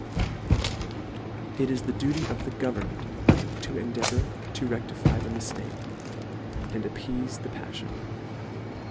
It is the duty of the governed, to endea vour to rectify the miftake, and appeafe the paffion.